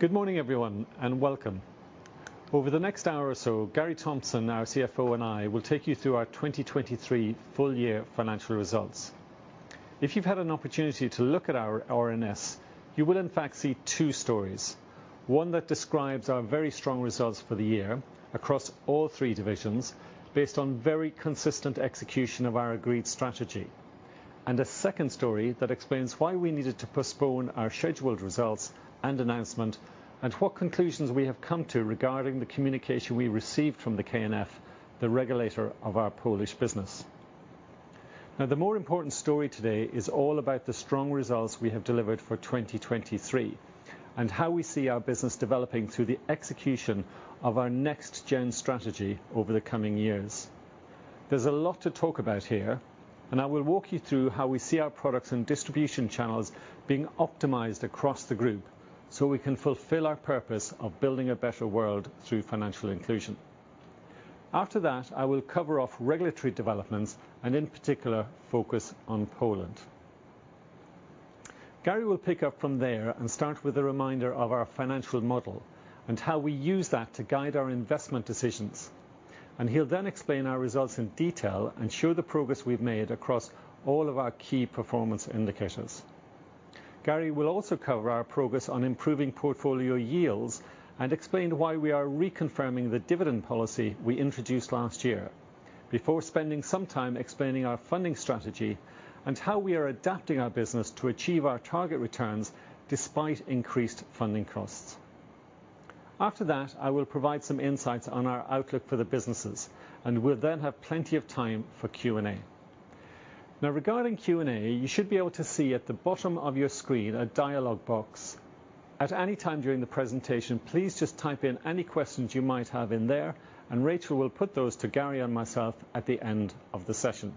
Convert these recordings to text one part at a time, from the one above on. Good morning, everyone, and welcome. Over the next hour or so, Gary Thompson, our CFO, and I will take you through our 2023 full-year financial results. If you've had an opportunity to look at our RNS, you will, in fact, see two stories: one that describes our very strong results for the year across all three divisions based on very consistent execution of our agreed strategy, and a second story that explains why we needed to postpone our scheduled results and announcement, and what conclusions we have come to regarding the communication we received from the KNF, the regulator of our Polish business. Now, the more important story today is all about the strong results we have delivered for 2023, and how we see our business developing through the execution of our Next-Gen strategy over the coming years. There's a lot to talk about here, and I will walk you through how we see our products and distribution channels being optimized across the group so we can fulfill our purpose of building a better world through financial inclusion. After that, I will cover off regulatory developments, and in particular, focus on Poland. Gary will pick up from there and start with a reminder of our financial model, and how we use that to guide our investment decisions. He'll then explain our results in detail and show the progress we've made across all of our key performance indicators. Gary will also cover our progress on improving portfolio yields and explain why we are reconfirming the dividend policy we introduced last year, before spending some time explaining our funding strategy and how we are adapting our business to achieve our target returns despite increased funding costs. After that, I will provide some insights on our outlook for the businesses, and we'll then have plenty of time for Q&A. Now, regarding Q&A, you should be able to see at the bottom of your screen a dialog box. At any time during the presentation, please just type in any questions you might have in there, and Rachel will put those to Gary and myself at the end of the session.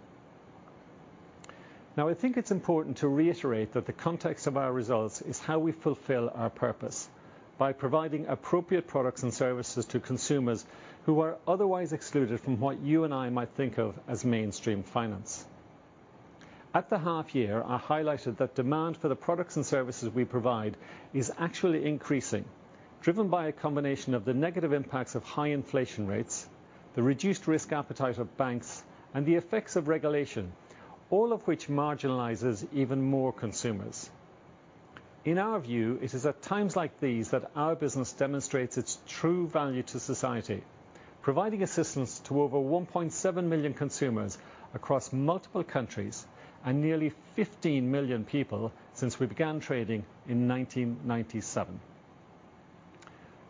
Now, I think it's important to reiterate that the context of our results is how we fulfill our purpose: by providing appropriate products and services to consumers who are otherwise excluded from what you and I might think of as mainstream finance. At the half-year, I highlighted that demand for the products and services we provide is actually increasing, driven by a combination of the negative impacts of high inflation rates, the reduced risk appetite of banks, and the effects of regulation, all of which marginalizes even more consumers. In our view, it is at times like these that our business demonstrates its true value to society, providing assistance to over 1.7 million consumers across multiple countries and nearly 15 million people since we began trading in 1997.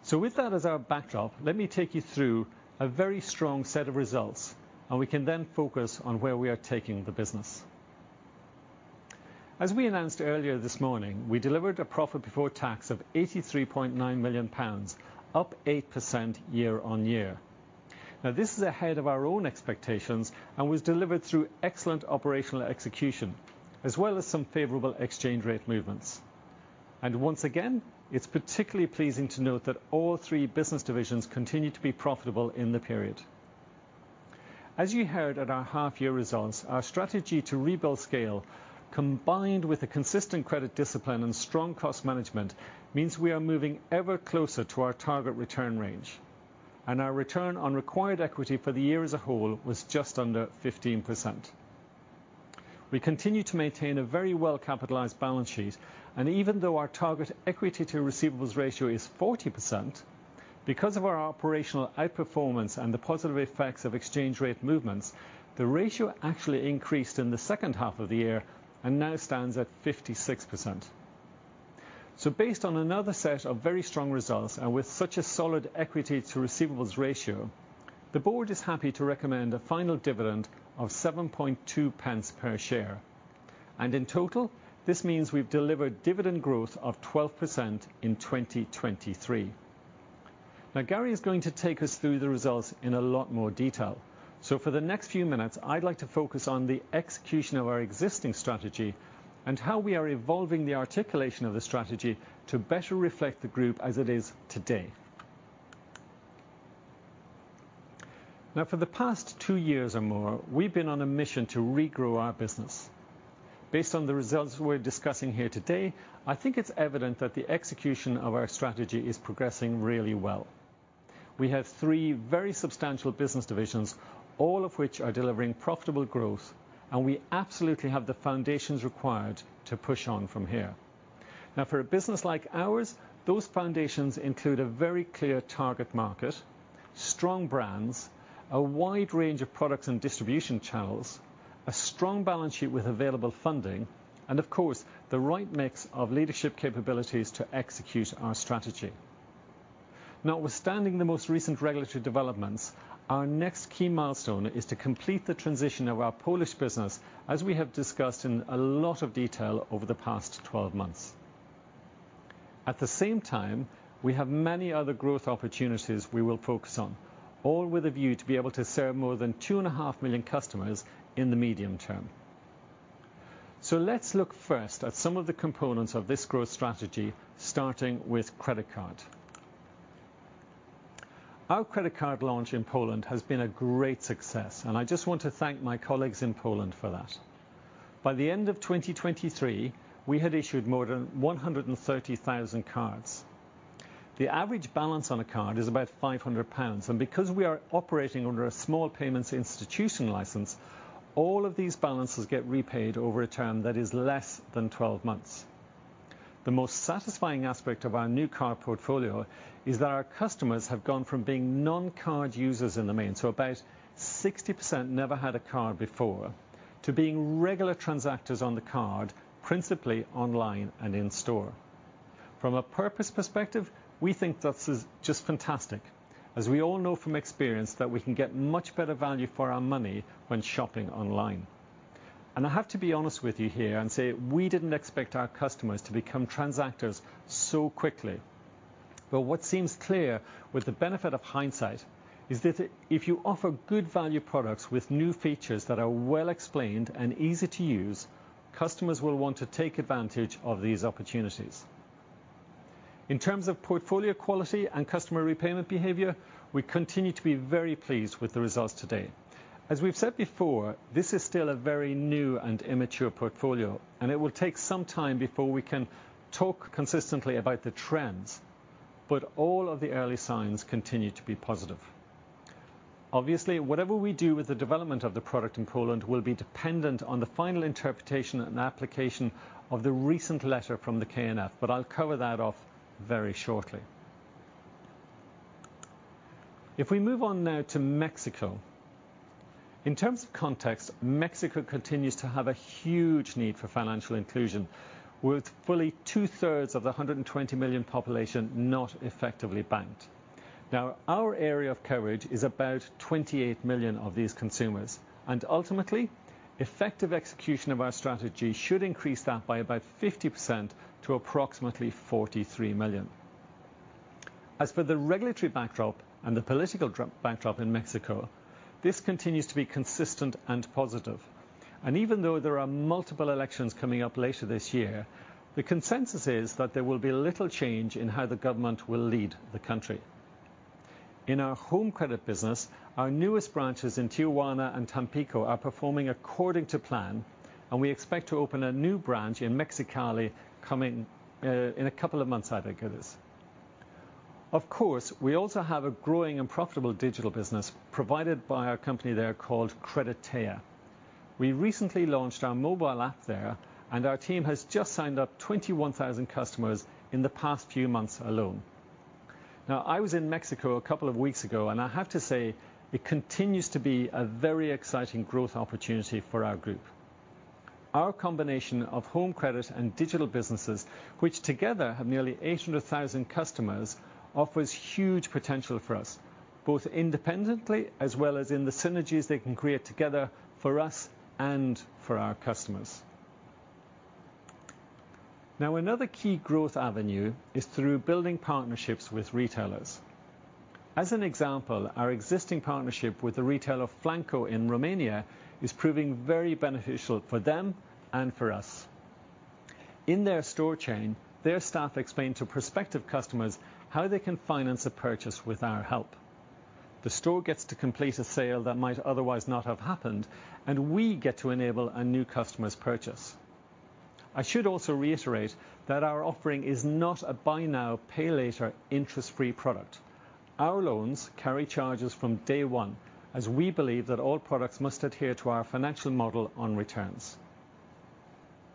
So, with that as our backdrop, let me take you through a very strong set of results, and we can then focus on where we are taking the business. As we announced earlier this morning, we delivered a profit before tax of 83.9 million pounds, up 8% year-on-year. Now, this is ahead of our own expectations and was delivered through excellent operational execution, as well as some favorable exchange rate movements. Once again, it's particularly pleasing to note that all three business divisions continue to be profitable in the period. As you heard at our half-year results, our strategy to rebuild scale, combined with a consistent credit discipline and strong cost management, means we are moving ever closer to our target return range. Our return on required equity for the year as a whole was just under 15%. We continue to maintain a very well-capitalized balance sheet, and even though our target equity-to-receivables ratio is 40%, because of our operational outperformance and the positive effects of exchange rate movements, the ratio actually increased in the second half of the year and now stands at 56%. So, based on another set of very strong results and with such a solid equity-to-receivables ratio, the Board is happy to recommend a final dividend of 0.72 per share. In total, this means we've delivered dividend growth of 12% in 2023. Now, Gary is going to take us through the results in a lot more detail. So, for the next few minutes, I'd like to focus on the execution of our existing strategy and how we are evolving the articulation of the strategy to better reflect the group as it is today. Now, for the past two years or more, we've been on a mission to regrow our business. Based on the results we're discussing here today, I think it's evident that the execution of our strategy is progressing really well. We have three very substantial business divisions, all of which are delivering profitable growth, and we absolutely have the foundations required to push on from here. Now, for a business like ours, those foundations include a very clear target market, strong brands, a wide range of products and distribution channels, a strong balance sheet with available funding, and, of course, the right mix of leadership capabilities to execute our strategy. Now, notwithstanding the most recent regulatory developments, our next key milestone is to complete the transition of our Polish business, as we have discussed in a lot of detail over the past 12 months. At the same time, we have many other growth opportunities we will focus on, all with a view to be able to serve more than 2.5 million customers in the medium term. So, let's look first at some of the components of this growth strategy, starting with credit card. Our credit card launch in Poland has been a great success, and I just want to thank my colleagues in Poland for that. By the end of 2023, we had issued more than 130,000 cards. The average balance on a card is about 500 pounds, and because we are operating under a Small Payments Institution license, all of these balances get repaid over a term that is less than 12 months. The most satisfying aspect of our new card portfolio is that our customers have gone from being non-card users in the main, so, about 60% never had a card before, to being regular transactors on the card, principally online and in-store. From a purpose perspective, we think this is just fantastic, as we all know from experience that we can get much better value for our money when shopping online. I have to be honest with you here and say we didn't expect our customers to become transactors so quickly. What seems clear, with the benefit of hindsight, is that if you offer good value products with new features that are well explained and easy to use, customers will want to take advantage of these opportunities. In terms of portfolio quality and customer repayment behavior, we continue to be very pleased with the results today. As we've said before, this is still a very new and immature portfolio, and it will take some time before we can talk consistently about the trends. All of the early signs continue to be positive. Obviously, whatever we do with the development of the product in Poland will be dependent on the final interpretation and application of the recent letter from the KNF, but I'll cover that off very shortly. If we move on now to Mexico. In terms of context, Mexico continues to have a huge need for financial inclusion, with fully two-thirds of the 120 million population not effectively banked. Now, our area of coverage is about 28 million of these consumers, and ultimately, effective execution of our strategy should increase that by about 50% to approximately 43 million. As for the regulatory backdrop and the political backdrop in Mexico, this continues to be consistent and positive. And even though there are multiple elections coming up later this year, the consensus is that there will be little change in how the government will lead the country. In our home credit business, our newest branches in Tijuana and Tampico are performing according to plan, and we expect to open a new branch in Mexicali coming in a couple of months, I think it is. Of course, we also have a growing and profitable digital business provided by our company there called Creditea. We recently launched our mobile app there, and our team has just signed up 21,000 customers in the past few months alone. Now, I was in Mexico a couple of weeks ago, and I have to say it continues to be a very exciting growth opportunity for our group. Our combination of home credit and digital businesses, which together have nearly 800,000 customers, offers huge potential for us, both independently as well as in the synergies they can create together for us and for our customers. Now, another key growth avenue is through building partnerships with retailers. As an example, our existing partnership with the retailer Flanco in Romania is proving very beneficial for them and for us. In their store chain, their staff explain to prospective customers how they can finance a purchase with our help. The store gets to complete a sale that might otherwise not have happened, and we get to enable a new customer's purchase. I should also reiterate that our offering is not a Buy-now, pay-later interest-free product. Our loans carry charges from day one, as we believe that all products must adhere to our financial model on returns.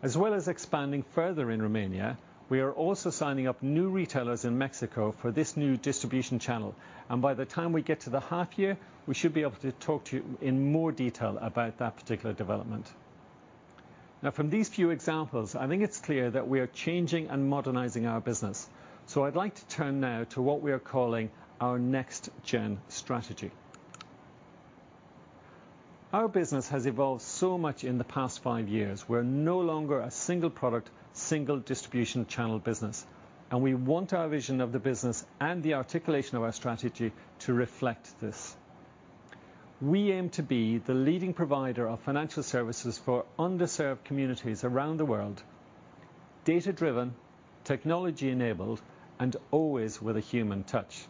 As well as expanding further in Romania, we are also signing up new retailers in Mexico for this new distribution channel, and by the time we get to the half-year, we should be able to talk to you in more detail about that particular development. Now, from these few examples, I think it's clear that we are changing and modernizing our business. So, I'd like to turn now to what we are calling our Next-Gen strategy. Our business has evolved so much in the past five years. We're no longer a single product, single distribution channel business. And we want our vision of the business and the articulation of our strategy to reflect this. We aim to be the leading provider of financial services for underserved communities around the world, data-driven, technology-enabled, and always with a human touch.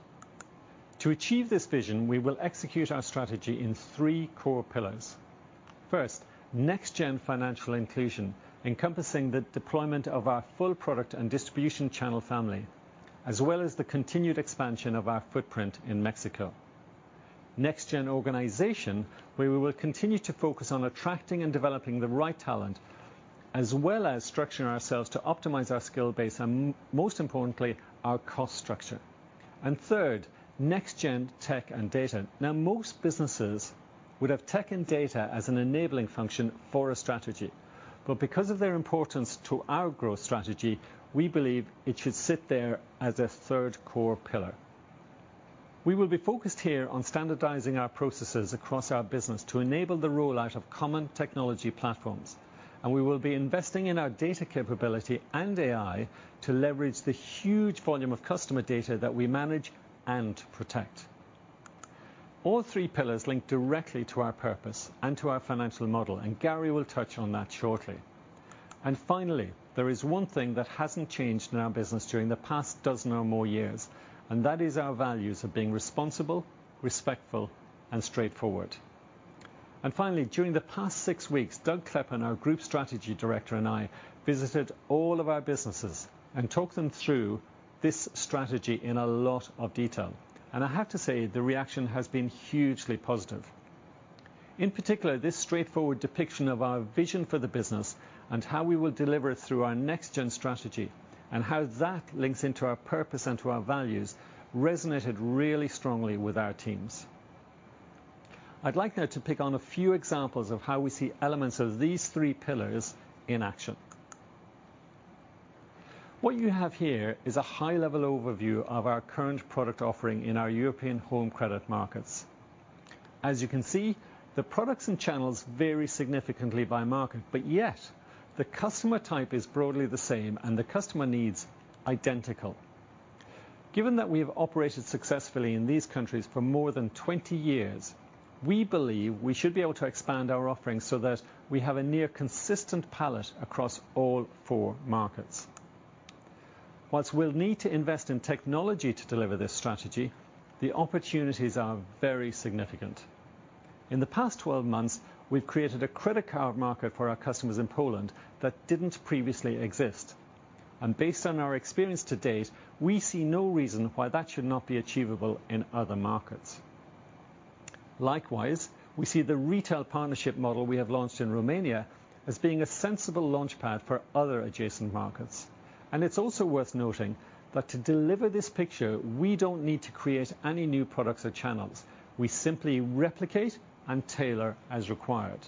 To achieve this vision, we will execute our strategy in three core pillars. First, Next-Gen financial inclusion, encompassing the deployment of our full product and distribution channel family, as well as the continued expansion of our footprint in Mexico. Next-gen organization, where we will continue to focus on attracting and developing the right talent, as well as structuring ourselves to optimize our skill base and, most importantly, our cost structure. And third, Next-Gen tech and data. Now, most businesses would have tech and data as an enabling function for a strategy. But because of their importance to our growth strategy, we believe it should sit there as a third core pillar. We will be focused here on standardizing our processes across our business to enable the rollout of common technology platforms. And we will be investing in our data capability and AI to leverage the huge volume of customer data that we manage and protect. All three pillars link directly to our purpose and to our financial model, and Gary will touch on that shortly. Finally, there is one thing that hasn't changed in our business during the past dozen or more years, and that is our values of being responsible, respectful, and straightforward. Finally, during the past six weeks, Doug Kleppen, our Group Strategy Director, and I visited all of our businesses and talked them through this strategy in a lot of detail. I have to say the reaction has been hugely positive. In particular, this straightforward depiction of our vision for the business and how we will deliver it through our Next-gen strategy, and how that links into our purpose and to our values, resonated really strongly with our teams. I'd like now to pick on a few examples of how we see elements of these three pillars in action. What you have here is a high-level overview of our current product offering in our European Home Credit markets. As you can see, the products and channels vary significantly by market, but yet, the customer type is broadly the same, and the customer needs identical. Given that we have operated successfully in these countries for more than 20 years, we believe we should be able to expand our offering so that we have a near-consistent palette across all four markets. While we'll need to invest in technology to deliver this strategy, the opportunities are very significant. In the past 12 months, we've created a credit card market for our customers in Poland that didn't previously exist. Based on our experience to date, we see no reason why that should not be achievable in other markets. Likewise, we see the retail partnership model we have launched in Romania as being a sensible launchpad for other adjacent markets. It's also worth noting that to deliver this picture, we don't need to create any new products or channels. We simply replicate and tailor as required.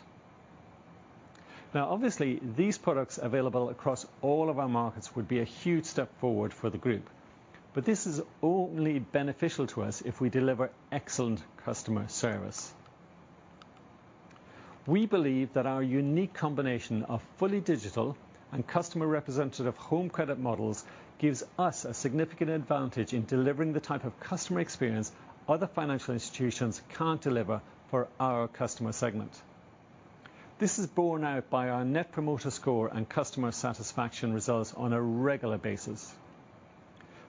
Now, obviously, these products available across all of our markets would be a huge step forward for the group. But this is only beneficial to us if we deliver excellent customer service. We believe that our unique combination of fully digital and customer-representative home credit models gives us a significant advantage in delivering the type of customer experience other financial institutions can't deliver for our customer segment. This is borne out by our Net Promoter Score and customer satisfaction results on a regular basis.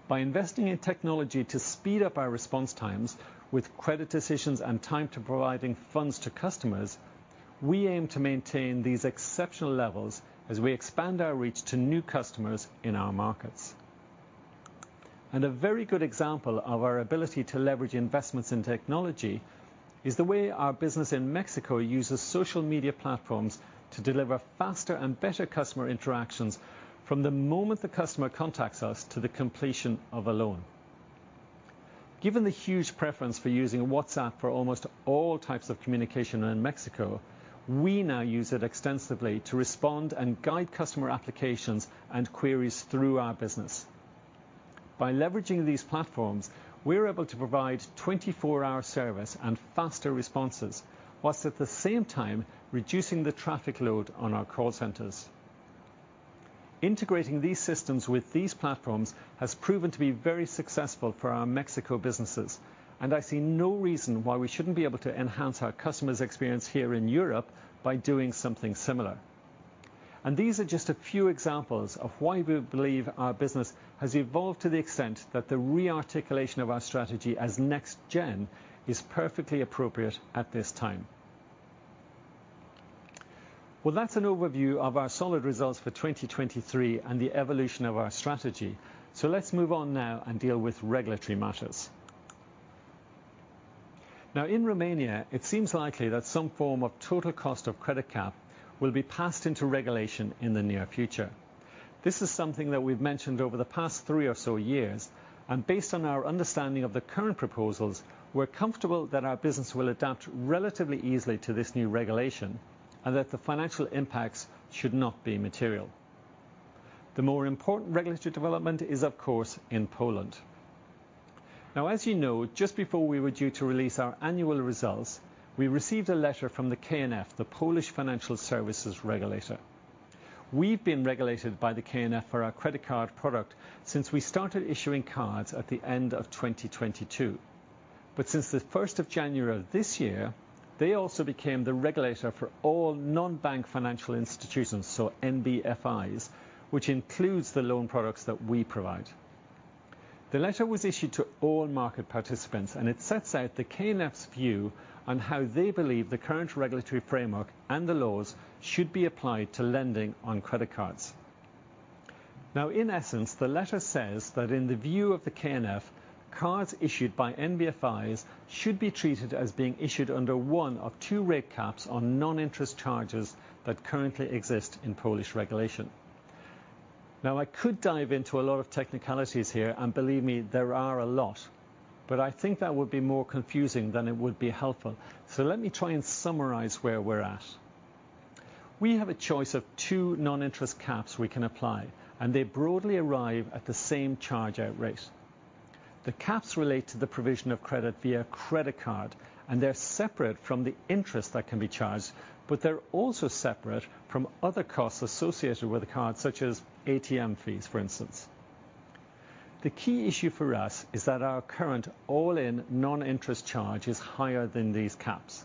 By investing in technology to speed up our response times with credit decisions and time to providing funds to customers, we aim to maintain these exceptional levels as we expand our reach to new customers in our markets. A very good example of our ability to leverage investments in technology is the way our business in Mexico uses social media platforms to deliver faster and better customer interactions from the moment the customer contacts us to the completion of a loan. Given the huge preference for using WhatsApp for almost all types of communication in Mexico, we now use it extensively to respond and guide customer applications and queries through our business. By leveraging these platforms, we're able to provide 24-hour service and faster responses, while at the same time reducing the traffic load on our call centers. Integrating these systems with these platforms has proven to be very successful for our Mexico businesses, and I see no reason why we shouldn't be able to enhance our customers' experience here in Europe by doing something similar. These are just a few examples of why we believe our business has evolved to the extent that the re-articulation of our strategy as Next-Gen is perfectly appropriate at this time. Well, that's an overview of our solid results for 2023 and the evolution of our strategy. Let's move on now and deal with regulatory matters. Now, in Romania, it seems likely that some form of Total Cost of Credit cap will be passed into regulation in the near future. This is something that we've mentioned over the past three or so years, and based on our understanding of the current proposals, we're comfortable that our business will adapt relatively easily to this new regulation, and that the financial impacts should not be material. The more important regulatory development is, of course, in Poland. Now, as you know, just before we were due to release our annual results, we received a letter from the KNF, the Polish Financial Services Regulator. We've been regulated by the KNF for our credit card product since we started issuing cards at the end of 2022. But since the 1st of January of this year, they also became the regulator for all non-bank financial institutions, so NBFIs, which includes the loan products that we provide. The letter was issued to all market participants, and it sets out the KNF's view on how they believe the current regulatory framework and the laws should be applied to lending on credit cards. Now, in essence, the letter says that, in the view of the KNF, cards issued by NBFIs should be treated as being issued under one of two rate caps on non-interest charges that currently exist in Polish regulation. Now, I could dive into a lot of technicalities here, and believe me, there are a lot. But I think that would be more confusing than it would be helpful. So, let me try and summarize where we're at. We have a choice of two non-interest caps we can apply, and they broadly arrive at the same charge-out rate. The caps relate to the provision of credit via credit card, and they're separate from the interest that can be charged, but they're also separate from other costs associated with the card, such as ATM fees, for instance. The key issue for us is that our current all-in non-interest charge is higher than these caps.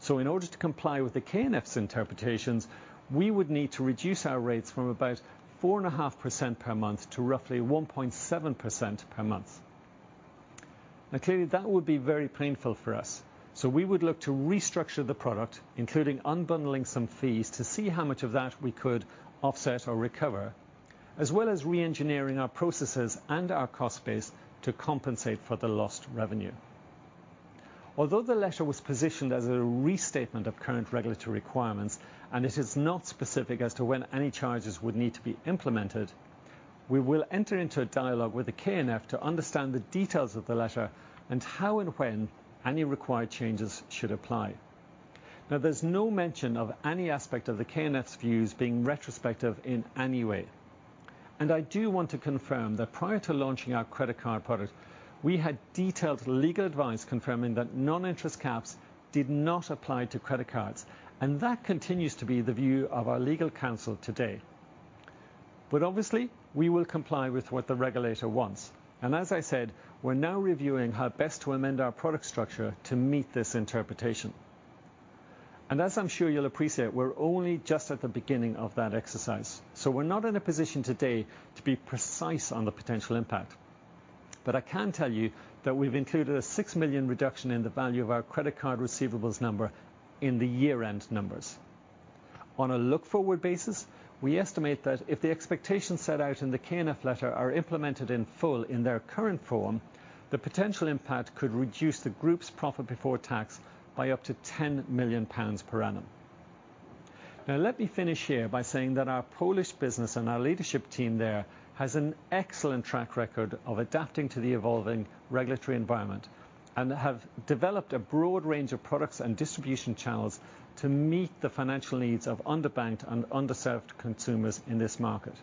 So, in order to comply with the KNF's interpretations, we would need to reduce our rates from about 4.5% per month to roughly 1.7% per month. Now, clearly, that would be very painful for us. So, we would look to restructure the product, including unbundling some fees to see how much of that we could offset or recover, as well as re-engineering our processes and our cost base to compensate for the lost revenue. Although the letter was positioned as a restatement of current regulatory requirements, and it is not specific as to when any charges would need to be implemented, we will enter into a dialogue with the KNF to understand the details of the letter and how and when any required changes should apply. Now, there's no mention of any aspect of the KNF's views being retrospective in any way. I do want to confirm that prior to launching our credit card product, we had detailed legal advice confirming that non-interest caps did not apply to credit cards, and that continues to be the view of our legal counsel today. But obviously, we will comply with what the regulator wants. As I said, we're now reviewing how best to amend our product structure to meet this interpretation. As I'm sure you'll appreciate, we're only just at the beginning of that exercise. So, we're not in a position today to be precise on the potential impact. But I can tell you that we've included a 6 million reduction in the value of our credit card receivables number in the year-end numbers. On a look-forward basis, we estimate that if the expectations set out in the KNF letter are implemented in full in their current form, the potential impact could reduce the group's profit before tax by up to 10 million pounds per annum. Now, let me finish here by saying that our Polish business and our leadership team there has an excellent track record of adapting to the evolving regulatory environment, and have developed a broad range of products and distribution channels to meet the financial needs of underbanked and underserved consumers in this market.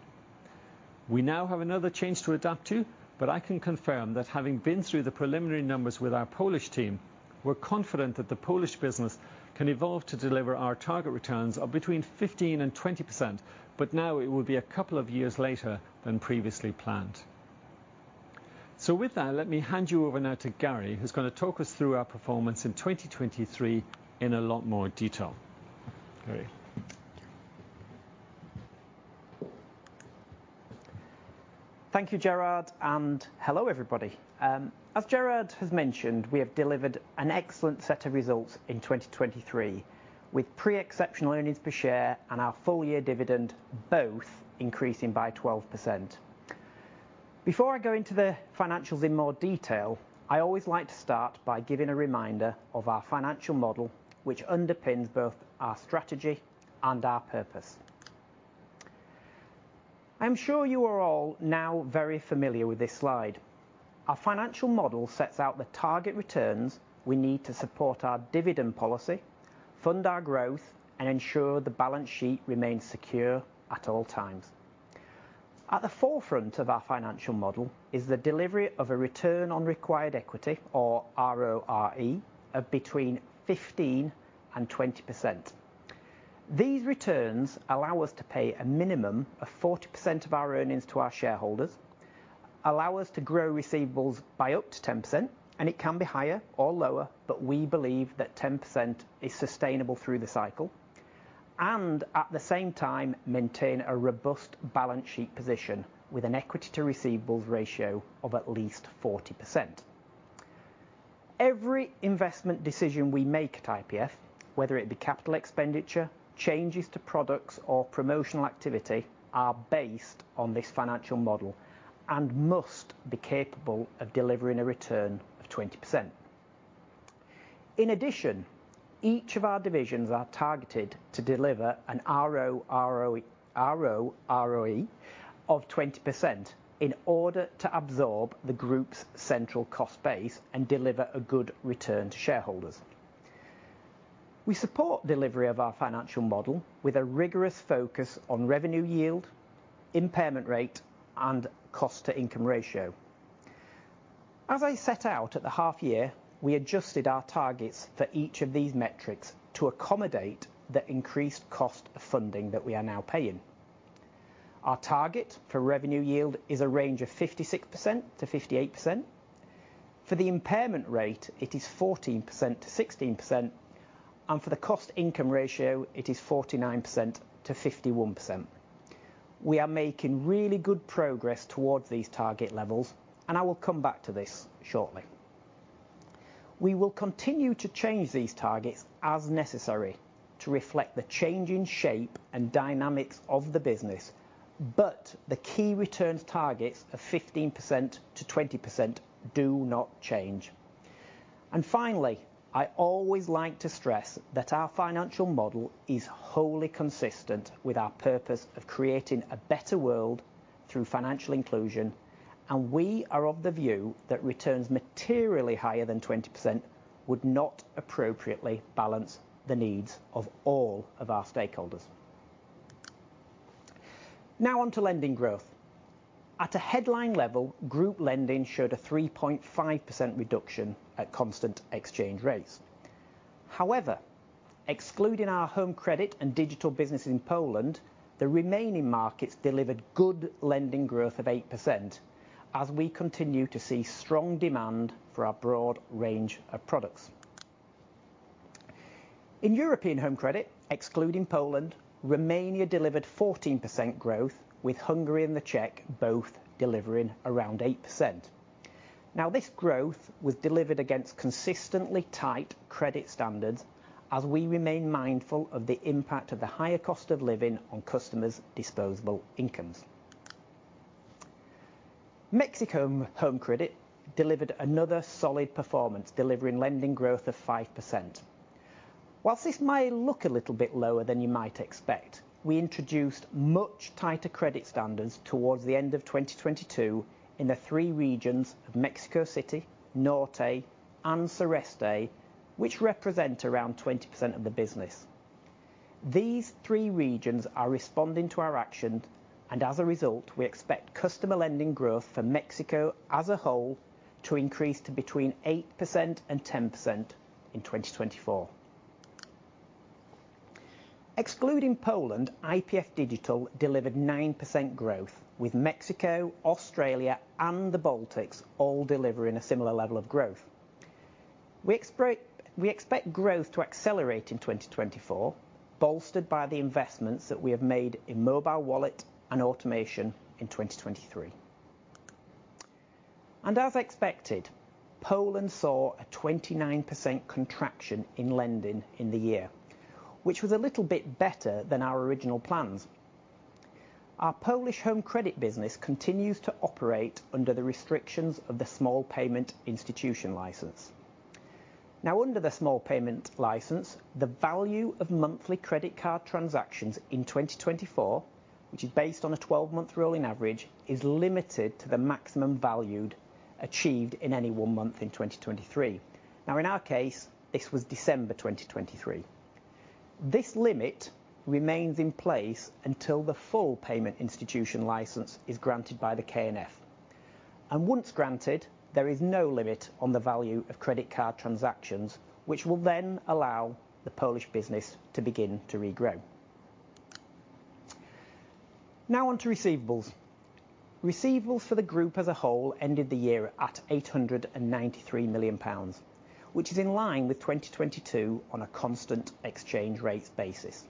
We now have another change to adapt to, but I can confirm that, having been through the preliminary numbers with our Polish team, we're confident that the Polish business can evolve to deliver our target returns of between 15% and 20%, but now it will be a couple of years later than previously planned. So, with that, let me hand you over now to Gary, who's going to talk us through our performance in 2023 in a lot more detail. Gary. Thank you, Gerard. And hello, everybody. As Gerard has mentioned, we have delivered an excellent set of results in 2023, with pre-exceptional earnings per share and our full-year dividend both increasing by 12%. Before I go into the financials in more detail, I always like to start by giving a reminder of our financial model, which underpins both our strategy and our purpose. I am sure you are all now very familiar with this slide. Our financial model sets out the target returns we need to support our dividend policy, fund our growth, and ensure the balance sheet remains secure at all times. At the forefront of our financial model is the delivery of a return on required equity, or RORE, of between 15% and 20%. These returns allow us to pay a minimum of 40% of our earnings to our shareholders, allow us to grow receivables by up to 10%, and it can be higher or lower, but we believe that 10% is sustainable through the cycle, and at the same time maintain a robust balance sheet position with an equity-to-receivables ratio of at least 40%. Every investment decision we make at IPF, whether it be capital expenditure, changes to products, or promotional activity, are based on this financial model and must be capable of delivering a return of 20%. In addition, each of our divisions are targeted to deliver an RORE of 20% in order to absorb the group's central cost base and deliver a good return to shareholders. We support delivery of our financial model with a rigorous focus on revenue yield, impairment rate, and cost-to-income ratio. As I set out at the half-year, we adjusted our targets for each of these metrics to accommodate the increased cost of funding that we are now paying. Our target for revenue yield is a range of 56%-58%. For the impairment rate, it is 14%-16%. And for the cost-to-income ratio, it is 49%-51%. We are making really good progress towards these target levels, and I will come back to this shortly. We will continue to change these targets as necessary to reflect the changing shape and dynamics of the business, but the key returns targets of 15%-20% do not change. Finally, I always like to stress that our financial model is wholly consistent with our purpose of creating a better world through financial inclusion, and we are of the view that returns materially higher than 20% would not appropriately balance the needs of all of our stakeholders. Now, onto lending growth. At a headline level, group lending showed a 3.5% reduction at constant exchange rates. However, excluding our home credit and digital businesses in Poland, the remaining markets delivered good lending growth of 8% as we continue to see strong demand for our broad range of products. In European Home Credit, excluding Poland, Romania delivered 14% growth, with Hungary and the Czech both delivering around 8%. Now, this growth was delivered against consistently tight credit standards as we remain mindful of the impact of the higher cost of living on customers' disposable incomes. Mexico Home Credit delivered another solid performance, delivering lending growth of 5%. While this may look a little bit lower than you might expect, we introduced much tighter credit standards towards the end of 2022 in the three regions of Mexico City, Norte, and Sureste, which represent around 20% of the business. These three regions are responding to our actions, and as a result, we expect customer lending growth for Mexico as a whole to increase to between 8% and 10% in 2024. Excluding Poland, IPF Digital delivered 9% growth, with Mexico, Australia, and the Baltics all delivering a similar level of growth. We expect growth to accelerate in 2024, bolstered by the investments that we have made in mobile wallet and automation in 2023. As expected, Poland saw a 29% contraction in lending in the year, which was a little bit better than our original plans. Our Polish home credit business continues to operate under the restrictions of the Small Payment Institution license. Now, under the small payment license, the value of monthly credit card transactions in 2024, which is based on a 12-month rolling average, is limited to the maximum value achieved in any one month in 2023. Now, in our case, this was December 2023. This limit remains in place until the full payment institution license is granted by the KNF. And once granted, there is no limit on the value of credit card transactions, which will then allow the Polish business to begin to regrow. Now, onto receivables. Receivables for the group as a whole ended the year at 893 million pounds, which is in line with 2022 on a constant exchange rates basis.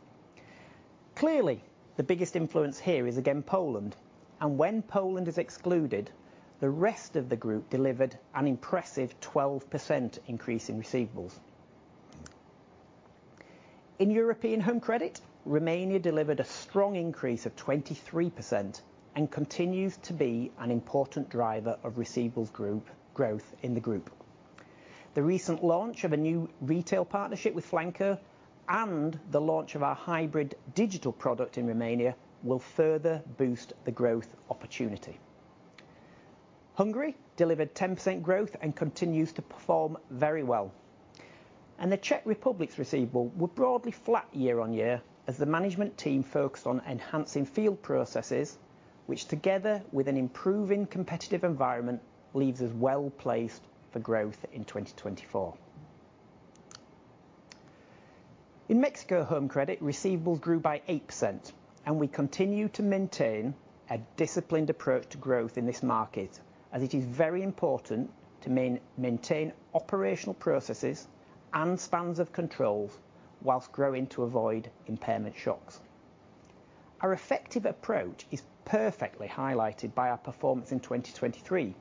Clearly, the biggest influence here is, again, Poland. And when Poland is excluded, the rest of the group delivered an impressive 12% increase in receivables. In European Home Credit, Romania delivered a strong increase of 23% and continues to be an important driver of receivables group growth in the group. The recent launch of a new retail partnership with Flanco and the launch of our hybrid digital product in Romania will further boost the growth opportunity. Hungary delivered 10% growth and continues to perform very well. The Czech Republic's receivables were broadly flat year-on-year as the management team focused on enhancing field processes, which, together with an improving competitive environment, leaves us well-placed for growth in 2024. In Mexico Home Credit, receivables grew by 8%, and we continue to maintain a disciplined approach to growth in this market, as it is very important to maintain operational processes and spans of controls while growing to avoid impairment shocks. Our effective approach is perfectly highlighted by our performance in 2023,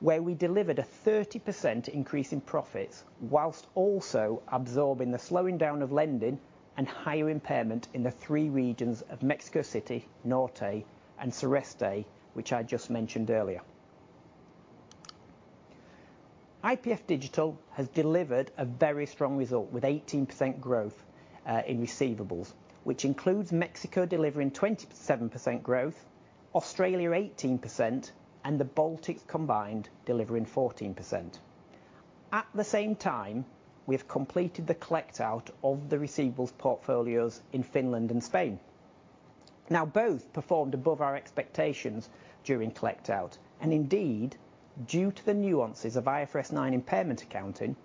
where we delivered a 30% increase in profits whilst also absorbing the slowing down of lending and higher impairment in the three regions of Mexico City, Norte, and Sureste, which I just mentioned earlier. IPF Digital has delivered a very strong result with 18% growth in receivables, which includes Mexico delivering 27% growth, Australia 18%, and the Baltics combined delivering 14%. At the same time, we have completed the collect-out of the receivables portfolios in Finland and Spain. Now, both performed above our expectations during collect-out. Indeed, due to the nuances of IFRS 9 impairment accounting,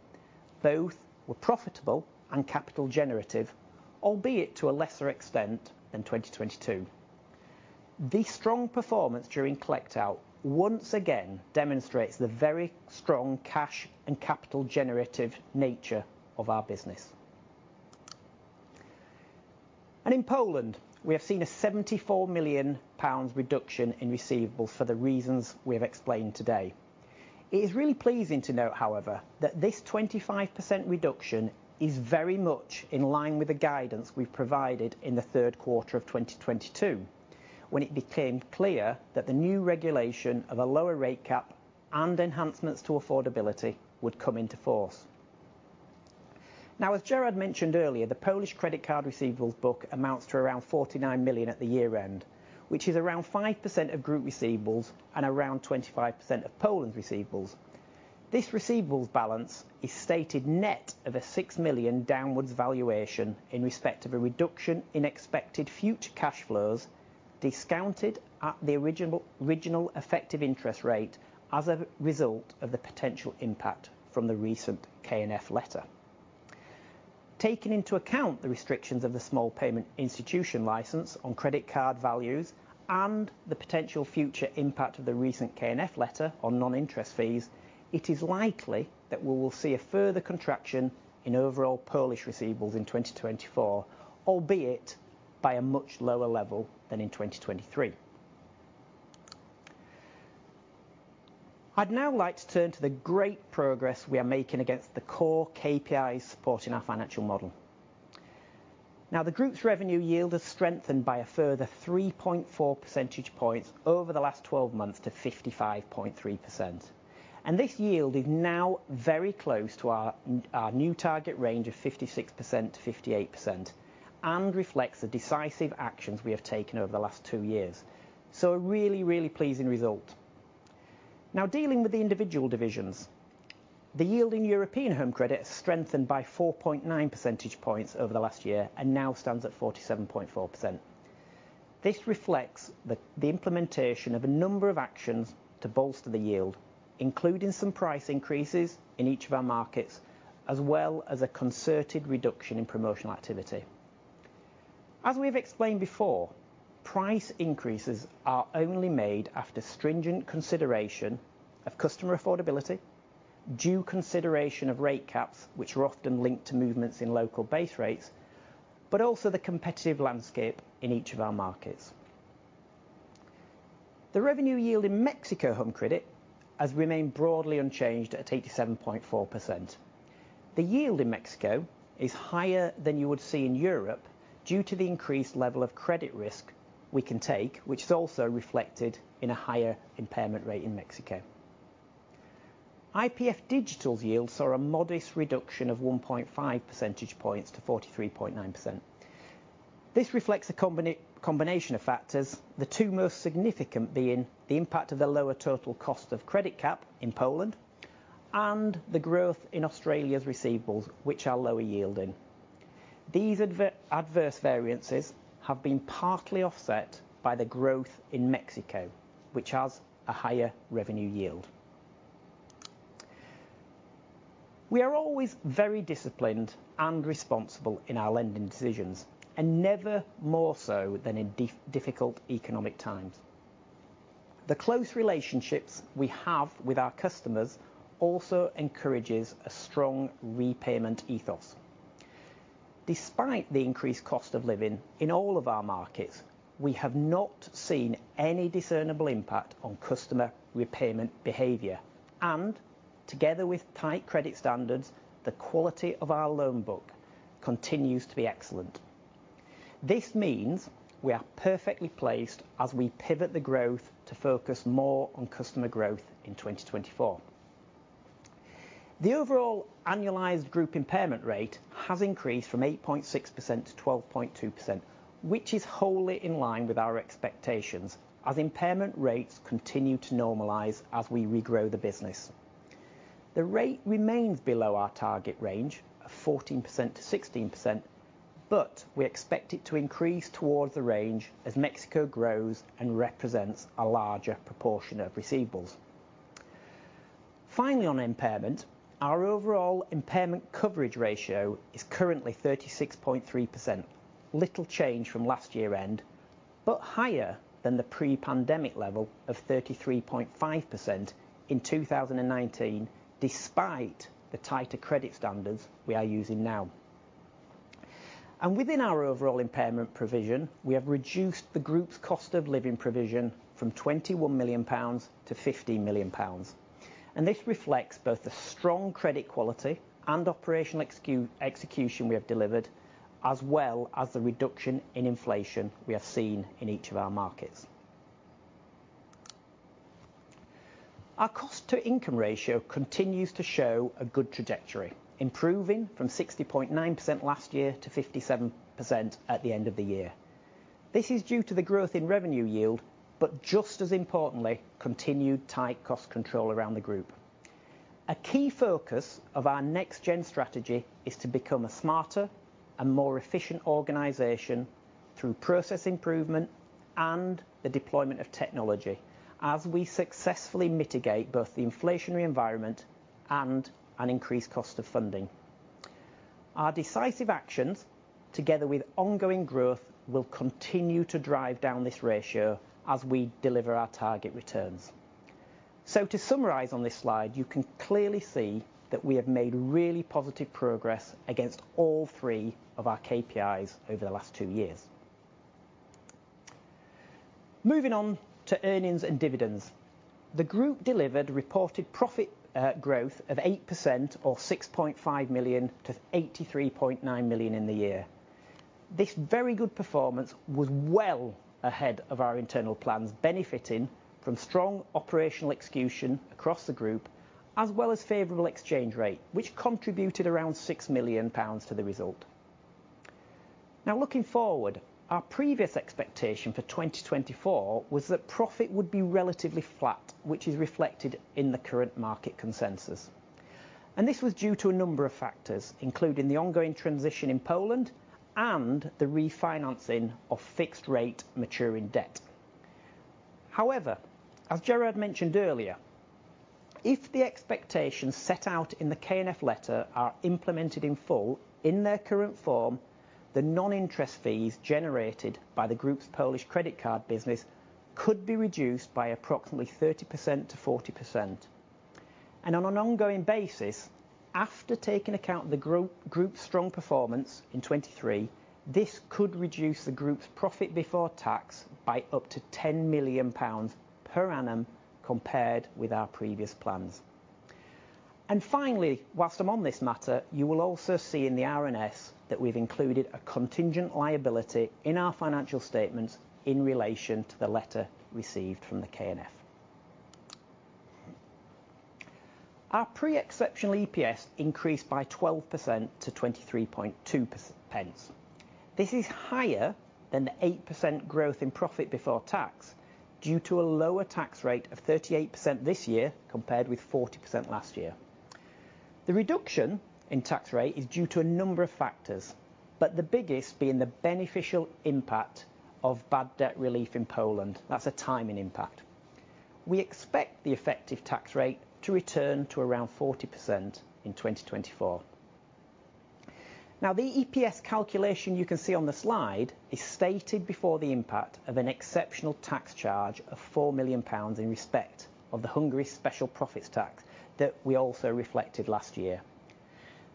both were profitable and capital generative, albeit to a lesser extent than 2022. This strong performance during collect-out once again demonstrates the very strong cash and capital generative nature of our business. In Poland, we have seen a 74 million pounds reduction in receivables for the reasons we have explained today. It is really pleasing to note, however, that this 25% reduction is very much in line with the guidance we've provided in the third quarter of 2022, when it became clear that the new regulation of a lower rate cap and enhancements to affordability would come into force. Now, as Gerard mentioned earlier, the Polish credit card receivables book amounts to around 49 million at the year-end, which is around 5% of group receivables and around 25% of Poland's receivables. This receivables balance is stated net of a 6 million downwards valuation in respect of a reduction in expected future cash flows discounted at the original effective interest rate as a result of the potential impact from the recent KNF letter. Taking into account the restrictions of the Small Payment Institution license on credit card values and the potential future impact of the recent KNF letter on non-interest fees, it is likely that we will see a further contraction in overall Polish receivables in 2024, albeit by a much lower level than in 2023. I'd now like to turn to the great progress we are making against the core KPIs supporting our financial model. Now, the group's revenue yield has strengthened by a further 3.4 percentage points over the last 12 months to 55.3%. And this yield is now very close to our new target range of 56%-58% and reflects the decisive actions we have taken over the last two years. So a really, really pleasing result. Now, dealing with the individual divisions, the yield in European Home Credit has strengthened by 4.9 percentage points over the last year and now stands at 47.4%. This reflects the implementation of a number of actions to bolster the yield, including some price increases in each of our markets, as well as a concerted reduction in promotional activity. As we have explained before, price increases are only made after stringent consideration of customer affordability, due consideration of rate caps, which are often linked to movements in local base rates, but also the competitive landscape in each of our markets. The revenue yield in Mexico Home Credit has remained broadly unchanged at 87.4%. The yield in Mexico is higher than you would see in Europe due to the increased level of credit risk we can take, which is also reflected in a higher impairment rate in Mexico. IPF Digital's yield saw a modest reduction of 1.5 percentage points to 43.9%. This reflects a combination of factors, the two most significant being the impact of the lower total cost of credit cap in Poland and the growth in Australia's receivables, which are lower yielding. These adverse variances have been partly offset by the growth in Mexico, which has a higher revenue yield. We are always very disciplined and responsible in our lending decisions and never more so than in difficult economic times. The close relationships we have with our customers also encourages a strong repayment ethos. Despite the increased cost of living in all of our markets, we have not seen any discernible impact on customer repayment behavior. Together with tight credit standards, the quality of our loan book continues to be excellent. This means we are perfectly placed as we pivot the growth to focus more on customer growth in 2024. The overall annualized group impairment rate has increased from 8.6% to 12.2%, which is wholly in line with our expectations as impairment rates continue to normalize as we regrow the business. The rate remains below our target range of 14%-16%, but we expect it to increase towards the range as Mexico grows and represents a larger proportion of receivables. Finally, on impairment, our overall impairment coverage ratio is currently 36.3%, little change from last year-end, but higher than the pre-pandemic level of 33.5% in 2019 despite the tighter credit standards we are using now. Within our overall impairment provision, we have reduced the group's cost of living provision from 21 million pounds to 15 million pounds. This reflects both the strong credit quality and operational execution we have delivered, as well as the reduction in inflation we have seen in each of our markets. Our cost-to-income ratio continues to show a good trajectory, improving from 60.9% last year to 57% at the end of the year. This is due to the growth in revenue yield, but just as importantly, continued tight cost control around the group. A key focus of our Next-Gen strategy is to become a smarter and more efficient organization through process improvement and the deployment of technology as we successfully mitigate both the inflationary environment and an increased cost of funding. Our decisive actions, together with ongoing growth, will continue to drive down this ratio as we deliver our target returns. To summarize on this slide, you can clearly see that we have made really positive progress against all three of our KPIs over the last two years. Moving on to earnings and dividends, the group delivered reported profit growth of 8% or 6.5 million to 83.9 million in the year. This very good performance was well ahead of our internal plans, benefiting from strong operational execution across the group, as well as favorable exchange rate, which contributed around 6 million pounds to the result. Now, looking forward, our previous expectation for 2024 was that profit would be relatively flat, which is reflected in the current market consensus. This was due to a number of factors, including the ongoing transition in Poland and the refinancing of fixed-rate maturing debt. However, as Gerard mentioned earlier, if the expectations set out in the KNF letter are implemented in full in their current form, the non-interest fees generated by the group's Polish credit card business could be reduced by approximately 30%-40%. And on an ongoing basis, after taking account of the group's strong performance in 2023, this could reduce the group's profit before tax by up to 10 million pounds per annum compared with our previous plans. And finally, while I'm on this matter, you will also see in the RNS that we've included a contingent liability in our financial statements in relation to the letter received from the KNF. Our pre-exceptional EPS increased by 12% to 23.2 pence. This is higher than the 8% growth in profit before tax due to a lower tax rate of 38% this year compared with 40% last year. The reduction in tax rate is due to a number of factors, but the biggest being the beneficial impact of bad debt relief in Poland. That's a timing impact. We expect the effective tax rate to return to around 40% in 2024. Now, the EPS calculation you can see on the slide is stated before the impact of an exceptional tax charge of 4 million pounds in respect of the Hungary special profits tax that we also reflected last year.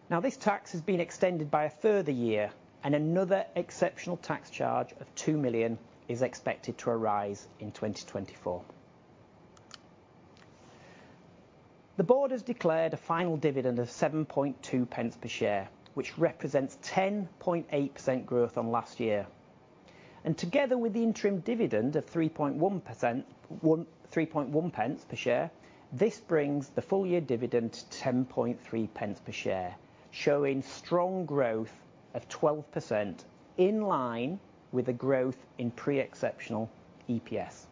Now, this tax has been extended by a further year, and another exceptional tax charge of 2 million is expected to arise in 2024. The board has declared a final dividend of 0.072 per share, which represents 10.8% growth on last year. Together with the interim dividend of 0.031 per share, this brings the full-year dividend to 0.103 per share, showing strong growth of 12% in line with the growth in pre-exceptional EPS.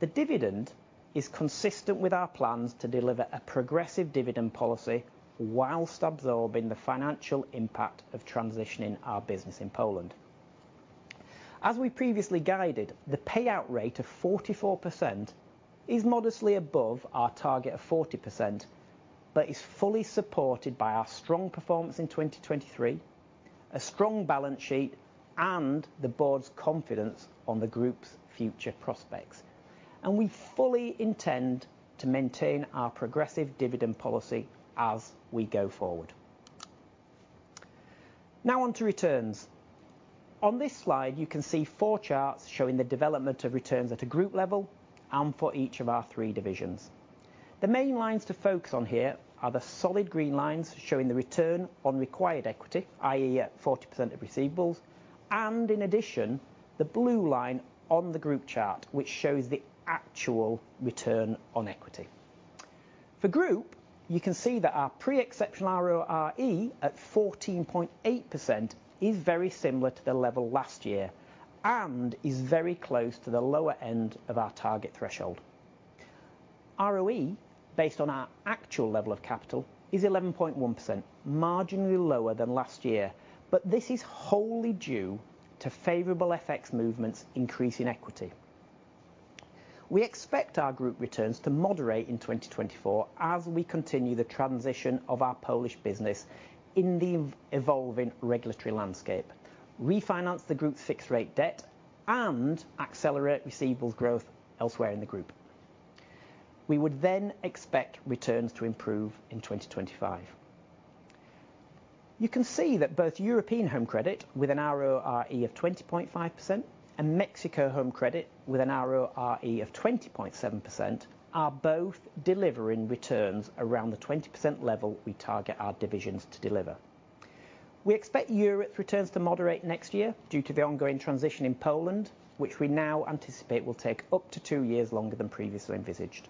The dividend is consistent with our plans to deliver a progressive dividend policy while absorbing the financial impact of transitioning our business in Poland. As we previously guided, the payout rate of 44% is modestly above our target of 40%, but is fully supported by our strong performance in 2023, a strong balance sheet, and the board's confidence on the group's future prospects. We fully intend to maintain our progressive dividend policy as we go forward. Now onto returns. On this slide, you can see four charts showing the development of returns at a group level and for each of our three divisions. The main lines to focus on here are the solid green lines showing the return on required equity, i.e., at 40% of receivables, and in addition, the blue line on the group chart, which shows the actual return on equity. For group, you can see that our pre-exceptional ROE at 14.8% is very similar to the level last year and is very close to the lower end of our target threshold. ROE, based on our actual level of capital, is 11.1%, marginally lower than last year, but this is wholly due to favorable FX movements increasing equity. We expect our group returns to moderate in 2024 as we continue the transition of our Polish business in the evolving regulatory landscape, refinance the group's fixed-rate debt, and accelerate receivables growth elsewhere in the group. We would then expect returns to improve in 2025. You can see that both European Home Credit with an ROE of 20.5% and Mexico Home Credit with an ROE of 20.7% are both delivering returns around the 20% level we target our divisions to deliver. We expect Europe's returns to moderate next year due to the ongoing transition in Poland, which we now anticipate will take up to two years longer than previously envisaged.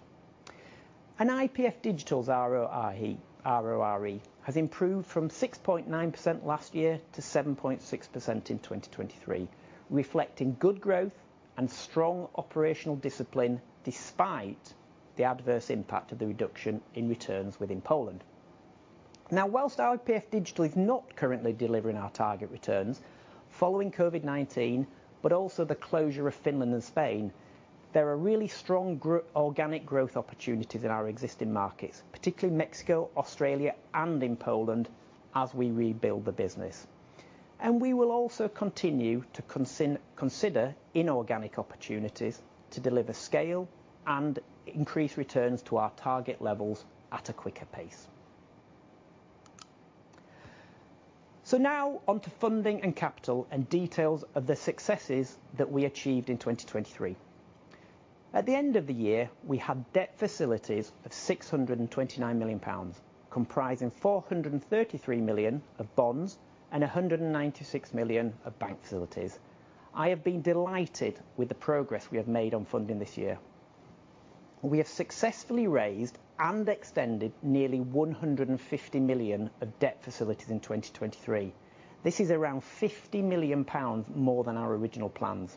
And IPF Digital's ROE has improved from 6.9% last year to 7.6% in 2023, reflecting good growth and strong operational discipline despite the adverse impact of the reduction in returns within Poland. Now, whilst IPF Digital is not currently delivering our target returns following COVID-19, but also the closure of Finland and Spain, there are really strong organic growth opportunities in our existing markets, particularly Mexico, Australia, and in Poland, as we rebuild the business. We will also continue to consider inorganic opportunities to deliver scale and increase returns to our target levels at a quicker pace. Now onto funding and capital and details of the successes that we achieved in 2023. At the end of the year, we had debt facilities of 629 million pounds, comprising 433 million of bonds and 196 million of bank facilities. I have been delighted with the progress we have made on funding this year. We have successfully raised and extended nearly 150 million of debt facilities in 2023. This is around 50 million pounds more than our original plans.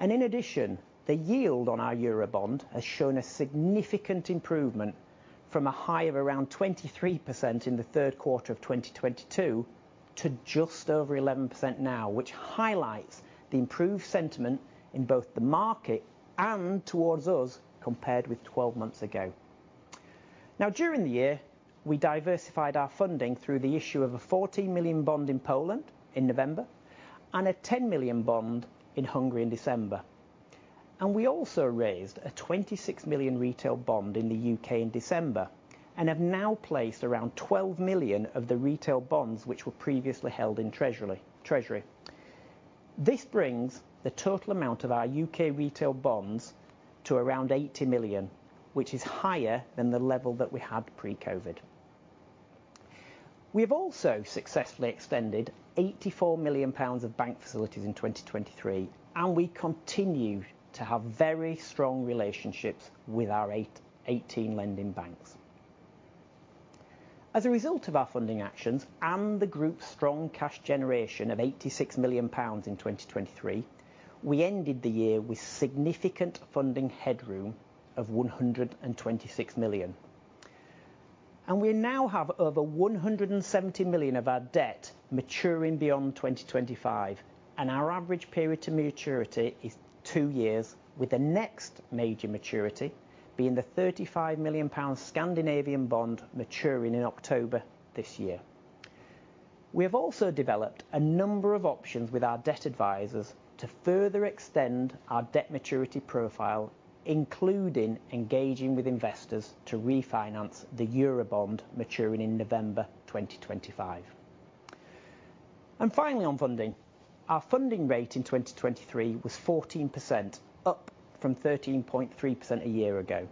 In addition, the yield on our Eurobond has shown a significant improvement from a high of around 23% in the third quarter of 2022 to just over 11% now, which highlights the improved sentiment in both the market and towards us compared with 12 months ago. Now, during the year, we diversified our funding through the issue of a 14 million bond in Poland in November and a 10 million bond in Hungary in December. We also raised a 26 million retail bond in the U.K. in December and have now placed around 12 million of the retail bonds which were previously held in Treasury. This brings the total amount of our U.K. retail bonds to around 80 million, which is higher than the level that we had pre-COVID. We have also successfully extended 84 million pounds of bank facilities in 2023, and we continue to have very strong relationships with our 18 lending banks. As a result of our funding actions and the group's strong cash generation of 86 million pounds in 2023, we ended the year with significant funding headroom of 126 million. We now have over 170 million of our debt maturing beyond 2025, and our average period to maturity is two years, with the next major maturity being the 35 million pounds Scandinavian bond maturing in October this year. We have also developed a number of options with our debt advisors to further extend our debt maturity profile, including engaging with investors to refinance the Eurobond maturing in November 2025. And finally, on funding, our funding rate in 2023 was 14%, up from 13.3% a year ago.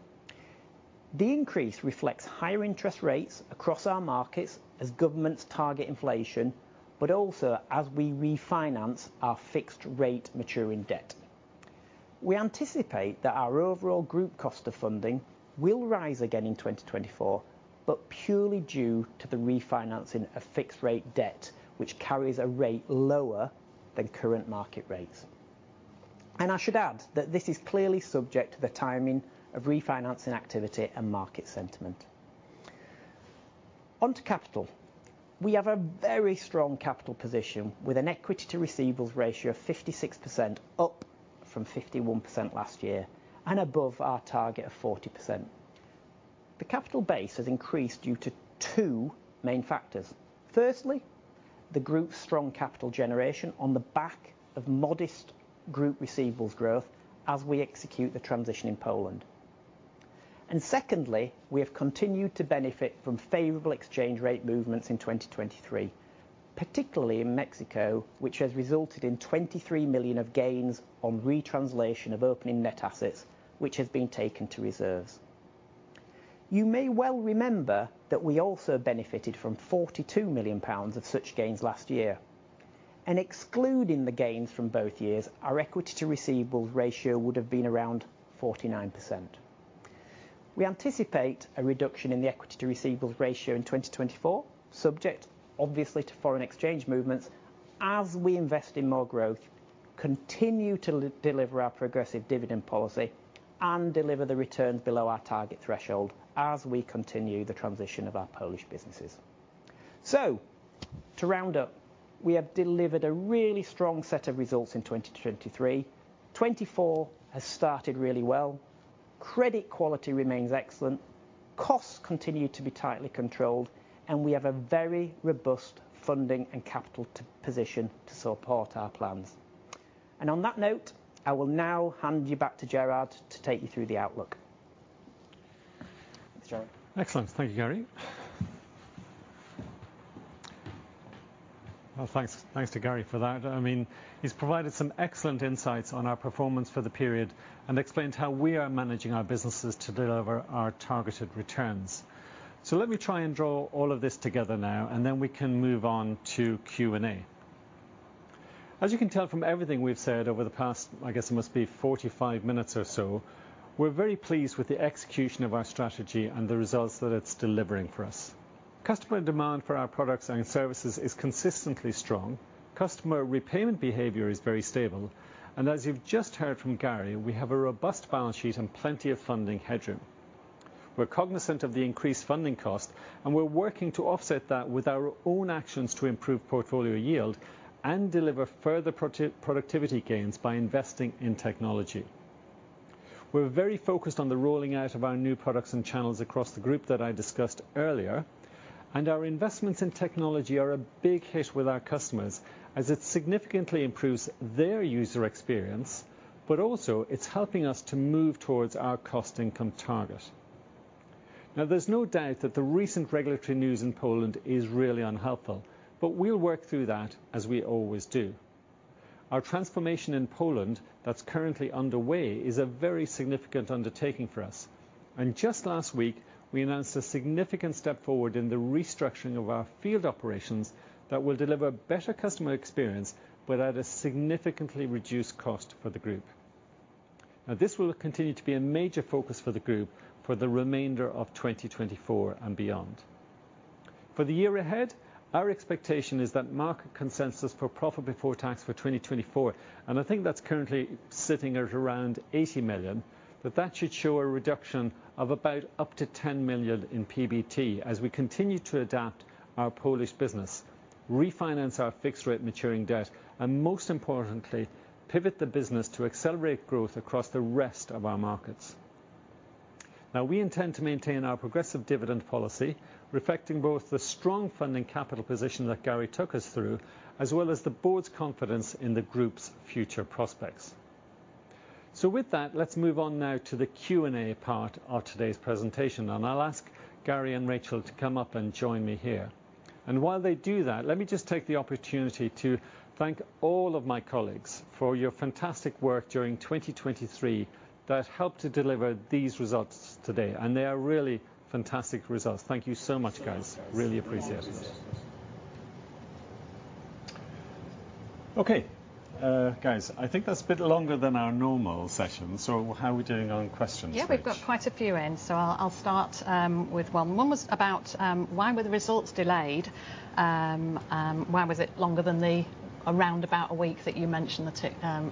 The increase reflects higher interest rates across our markets as governments target inflation, but also as we refinance our fixed-rate maturing debt. We anticipate that our overall group cost of funding will rise again in 2024, but purely due to the refinancing of fixed-rate debt, which carries a rate lower than current market rates. I should add that this is clearly subject to the timing of refinancing activity and market sentiment. Onto capital. We have a very strong capital position with an equity-to-receivables ratio of 56%, up from 51% last year and above our target of 40%. The capital base has increased due to two main factors. Firstly, the group's strong capital generation on the back of modest group receivables growth as we execute the transition in Poland. Secondly, we have continued to benefit from favorable exchange rate movements in 2023, particularly in Mexico, which has resulted in 23 million of gains on retranslation of opening net assets, which has been taken to reserves. You may well remember that we also benefited from 42 million pounds of such gains last year. Excluding the gains from both years, our equity-to-receivables ratio would have been around 49%. We anticipate a reduction in the equity-to-receivables ratio in 2024, subject, obviously, to foreign exchange movements, as we invest in more growth, continue to deliver our progressive dividend policy, and deliver the returns below our target threshold as we continue the transition of our Polish businesses. So to round up, we have delivered a really strong set of results in 2023. 2024 has started really well. Credit quality remains excellent. Costs continue to be tightly controlled, and we have a very robust funding and capital position to support our plans. On that note, I will now hand you back to Gerard to take you through the outlook. Excellent. Thank you, Gary. Well, thanks to Gary for that. He's provided some excellent insights on our performance for the period and explained how we are managing our businesses to deliver our targeted returns. Let me try and draw all of this together now, and then we can move on to Q&A. As you can tell from everything we've said over the past, I guess it must be 45 minutes or so, we're very pleased with the execution of our strategy and the results that it's delivering for us. Customer demand for our products and services is consistently strong. Customer repayment behavior is very stable. As you've just heard from Gary, we have a robust balance sheet and plenty of funding headroom. We're cognizant of the increased funding cost, and we're working to offset that with our own actions to improve portfolio yield and deliver further productivity gains by investing in technology. We're very focused on the rolling out of our new products and channels across the group that I discussed earlier. Our investments in technology are a big hit with our customers as it significantly improves their user experience, but also it's helping us to move towards our cost-income target. Now, there's no doubt that the recent regulatory news in Poland is really unhelpful, but we'll work through that as we always do. Our transformation in Poland that's currently underway is a very significant undertaking for us. Just last week, we announced a significant step forward in the restructuring of our field operations that will deliver better customer experience without a significantly reduced cost for the group. Now, this will continue to be a major focus for the group for the remainder of 2024 and beyond. For the year ahead, our expectation is that market consensus for profit before tax for 2024, and I think that's currently sitting at around 80 million, that that should show a reduction of about up to 10 million in PBT as we continue to adapt our Polish business, refinance our fixed-rate maturing debt, and most importantly, pivot the business to accelerate growth across the rest of our markets. Now, we intend to maintain our progressive dividend policy, reflecting both the strong funding capital position that Gary took us through, as well as the board's confidence in the group's future prospects. With that, let's move on now to the Q&A part of today's presentation. I'll ask Gary and Rachel to come up and join me here. While they do that, let me just take the opportunity to thank all of my colleagues for your fantastic work during 2023 that helped to deliver these results today. They are really fantastic results. Thank you so much, guys. Really appreciate it. Okay. Guys, I think that's a bit longer than our normal session. How are we doing on questions? Yeah, we've got quite a few in. So I'll start with one. One was about why were the results delayed? Why was it longer than the roundabout a week that you mentioned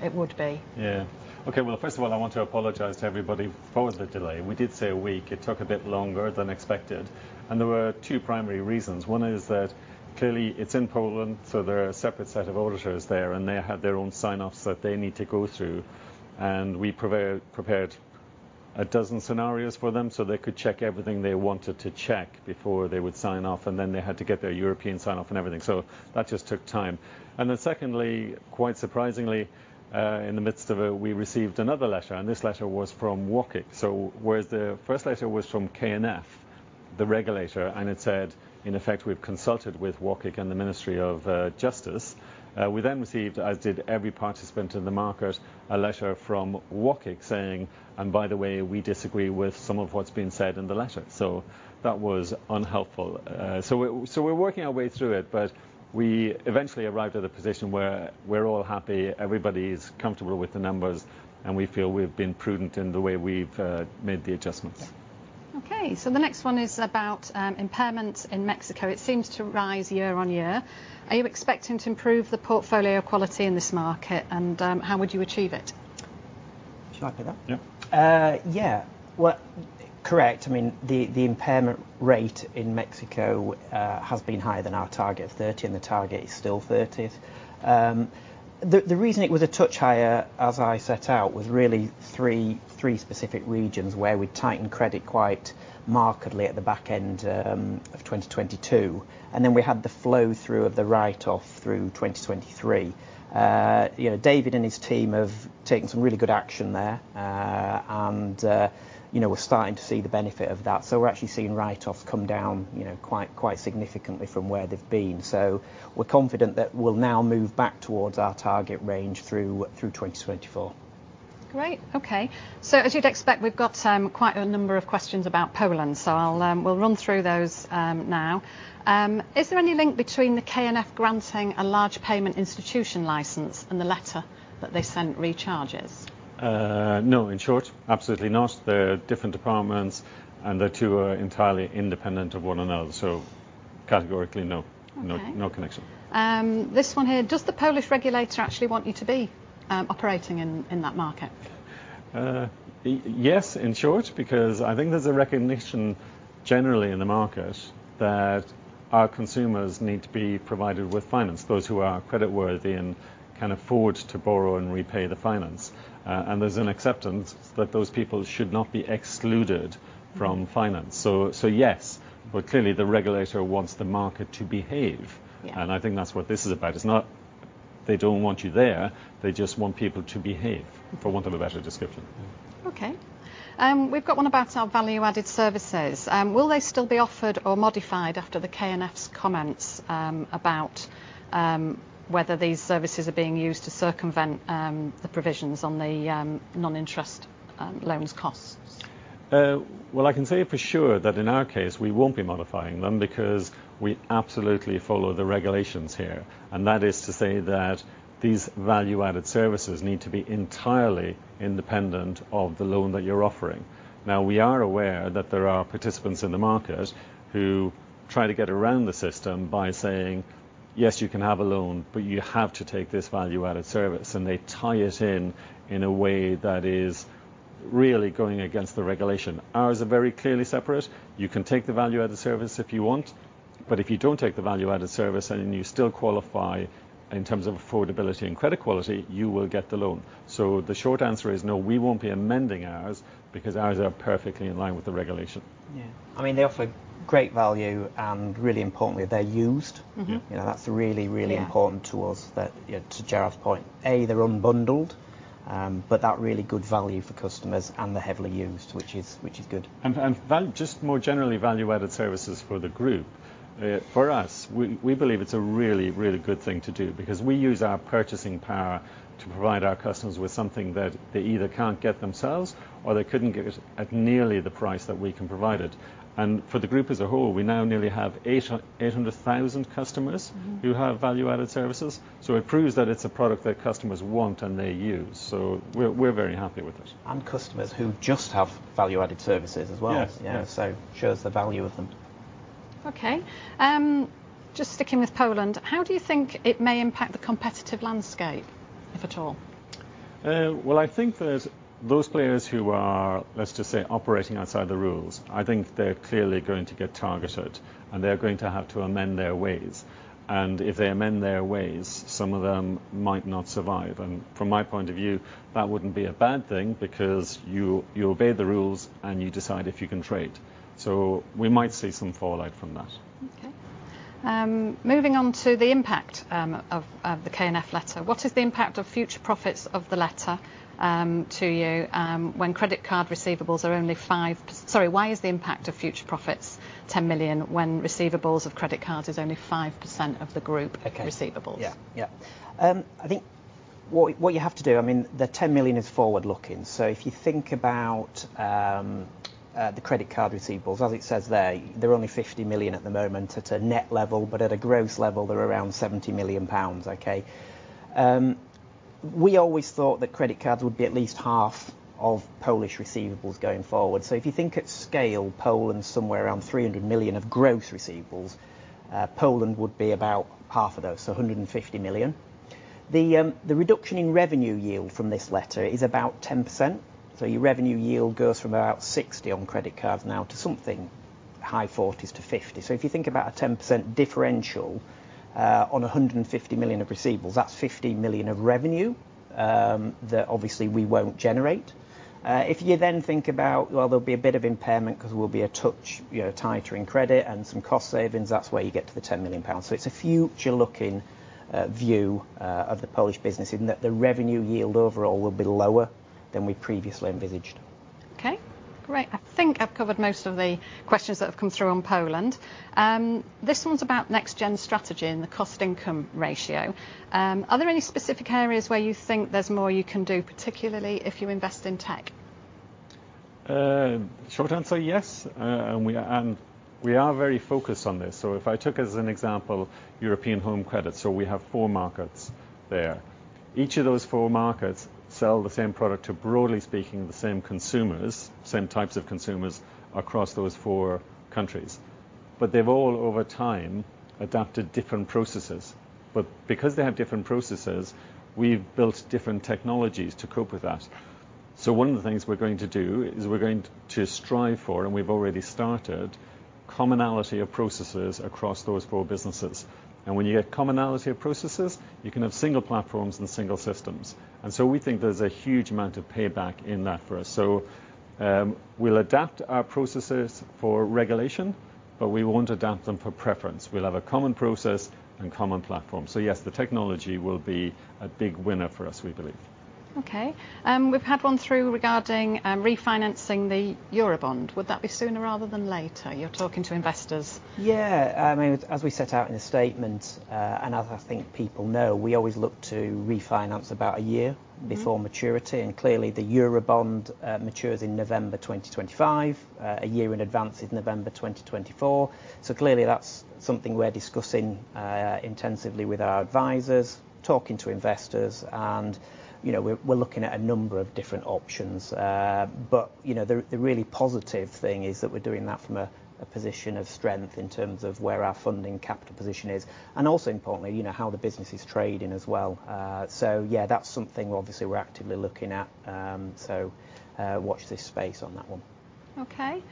it would be? Yeah. Okay. Well, first of all, I want to apologize to everybody for the delay. We did say a week. It took a bit longer than expected. There were two primary reasons. One is that clearly, it's in Poland, so there are a separate set of auditors there, and they have their own sign-offs that they need to go through. We prepared a dozen scenarios for them so they could check everything they wanted to check before they would sign off, and then they had to get their European sign-off and everything. So that just took time. Secondly, quite surprisingly, in the midst of it, we received another letter. This letter was from UOKiK. So whereas the first letter was from KNF, the regulator, and it said, "In effect, we've consulted with UOKiK and the Ministry of Justice," we then received, as did every participant in the market, a letter from UOKiK saying, "And by the way, we disagree with some of what's been said in the letter." So that was unhelpful. So we're working our way through it, but we eventually arrived at a position where we're all happy, everybody's comfortable with the numbers, and we feel we've been prudent in the way we've made the adjustments. Okay. The next one is about impairments in Mexico. It seems to rise year-on-year. Are you expecting to improve the portfolio quality in this market, and how would you achieve it? Shall I put that? Yeah. Yeah. Well, correct. The impairment rate in Mexico has been higher than our target of 30%, and the target is still 30%. The reason it was a touch higher, as I set out, was really three specific regions where we'd tightened credit quite markedly at the back end of 2022. And then we had the flow-through of the write-off through 2023. David and his team have taken some really good action there, and we're starting to see the benefit of that. So we're actually seeing write-offs come down quite significantly from where they've been. So we're confident that we'll now move back towards our target range through 2024. Great. Okay. So as you'd expect, we've got quite a number of questions about Poland. So we'll run through those now. Is there any link between the KNF granting a Full Payment Institution license and the letter that they sent re charges? No. In short, absolutely not. They're different departments, and the two are entirely independent of one another. So categorically, no. No connection. Okay. This one here. Does the Polish regulator actually want you to be operating in that market? Yes, in short, because I think there's a recognition generally in the market that our consumers need to be provided with finance, those who are creditworthy and can afford to borrow and repay the finance. And there's an acceptance that those people should not be excluded from finance. So yes, but clearly, the regulator wants the market to behave. And I think that's what this is about. It's not they don't want you there. They just want people to behave, for want of a better description. Okay. We've got one about our value-added services. Will they still be offered or modified after the KNF's comments about whether these services are being used to circumvent the provisions on the non-interest loans costs? Well, I can say for sure that in our case, we won't be modifying them because we absolutely follow the regulations here. That is to say that these value-added services need to be entirely independent of the loan that you're offering. Now, we are aware that there are participants in the market who try to get around the system by saying, "Yes, you can have a loan, but you have to take this value-added service." They tie it in in a way that is really going against the regulation. Ours are very clearly separate. You can take the value-added service if you want, but if you don't take the value-added service and you still qualify in terms of affordability and credit quality, you will get the loan. The short answer is no, we won't be amending ours because ours are perfectly in line with the regulation. Yeah. They offer great value, and really importantly, they're used. That's really, really important to us. To Gerard's point, A, they're unbundled, but that really good value for customers, and they're heavily used, which is good. Just more generally, value-added services for the group. For us, we believe it's a really, really good thing to do because we use our purchasing power to provide our customers with something that they either can't get themselves or they couldn't get at nearly the price that we can provide it. And for the group as a whole, we now nearly have 800,000 customers who have value-added services. So it proves that it's a product that customers want and they use. So we're very happy with it. Customers who just have value-added services as well. It shows the value of them. Okay. Just sticking with Poland, how do you think it may impact the competitive landscape, if at all? Well, I think that those players who are, let's just say, operating outside the rules, I think they're clearly going to get targeted, and they're going to have to amend their ways. If they amend their ways, some of them might not survive. From my point of view, that wouldn't be a bad thing because you obey the rules and you decide if you can trade. We might see some fallout from that. Okay. Moving on to the impact of the KNF letter. What is the impact of future profits of the letter to you when credit card receivables are only 5%? Sorry, why is the impact of future profits 10 million when receivables of credit cards is only 5% of the group receivables? Yeah. I think what you have to do, the 10 million is forward-looking. So if you think about the credit card receivables, as it says there, they're only 50 million at the moment at a net level, but at a gross level, they're around 70 million pounds. We always thought that credit cards would be at least half of Polish receivables going forward. So if you think at scale, Poland's somewhere around 300 million of gross receivables. Poland would be about half of those, so 150 million. The reduction in revenue yield from this letter is about 10%. So your revenue yield goes from about 60 on credit cards now to something high 40s to 50s. So if you think about a 10% differential on 150 million of receivables, that's 50 million of revenue that obviously we won't generate. If you then think about, well, there'll be a bit of impairment because we'll be a touch tighter in credit and some cost savings, that's where you get to the 10 million pounds. So it's a future-looking view of the Polish business in that the revenue yield overall will be lower than we previously envisaged. Okay. Great. I think I've covered most of the questions that have come through on Poland. This one's about Next-Gen strategy and the cost-to-income ratio. Are there any specific areas where you think there's more you can do, particularly if you invest in tech? Short answer, yes. We are very focused on this. So if I took as an example European Home Credit, so we have four markets there. Each of those four markets sell the same product to, broadly speaking, the same consumers, same types of consumers across those four countries. But they've all, over time, adopted different processes. But because they have different processes, we've built different technologies to cope with that. So one of the things we're going to do is we're going to strive for, and we've already started, commonality of processes across those four businesses. And when you get commonality of processes, you can have single platforms and single systems. And so we think there's a huge amount of payback in that for us. So we'll adapt our processes for regulation, but we won't adapt them for preference. We'll have a common process and common platform. So yes, the technology will be a big winner for us, we believe. Okay. We've had one through regarding refinancing the Eurobond. Would that be sooner rather than later? You're talking to investors. Yeah. As we set out in the statement, and as I think people know, we always look to refinance about a year before maturity. And clearly, the Eurobond matures in November 2025. A year in advance is November 2024. So clearly, that's something we're discussing intensively with our advisors, talking to investors, and we're looking at a number of different options. But the really positive thing is that we're doing that from a position of strength in terms of where our funding capital position is, and also importantly, how the business is trading as well. So yeah, that's something obviously we're actively looking at. So watch this space on that one. Okay.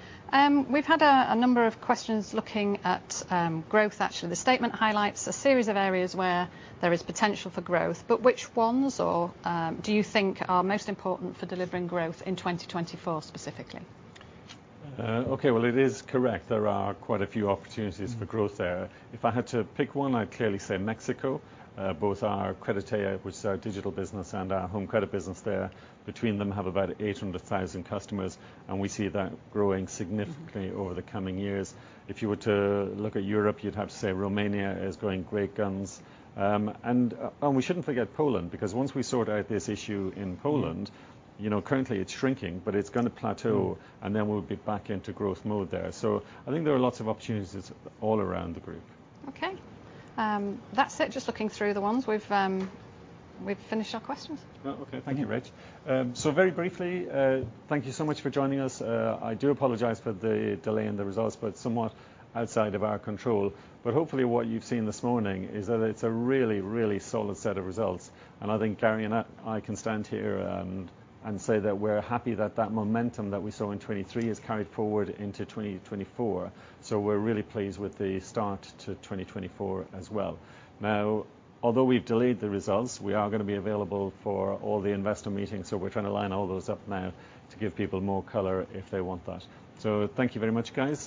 We've had a number of questions looking at growth, actually. The statement highlights a series of areas where there is potential for growth, but which ones do you think are most important for delivering growth in 2024 specifically? Okay. Well, it is correct. There are quite a few opportunities for growth there. If I had to pick one, I'd clearly say Mexico. Both our Creditea, which is our digital business, and our home credit business there, between them have about 800,000 customers, and we see that growing significantly over the coming years. If you were to look at Europe, you'd have to say Romania is going great guns. We shouldn't forget Poland because once we sort out this issue in Poland, currently, it's shrinking, but it's going to plateau, and then we'll be back into growth mode there. So I think there are lots of opportunities all around the group. Okay. That's it. Just looking through the ones. We've finished our questions. Okay. Thank you, Rach. So very briefly, thank you so much for joining us. I do apologize for the delay in the results, but somewhat outside of our control. But hopefully, what you've seen this morning is that it's a really, really solid set of results. And I think, Gary, and I can stand here and say that we're happy that that momentum that we saw in 2023 is carried forward into 2024. So we're really pleased with the start to 2024 as well. Now, although we've delayed the results, we are going to be available for all the investor meetings. So we're trying to line all those up now to give people more color if they want that. So thank you very much, guys.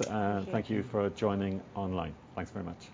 Thank you for joining online. Thanks very much.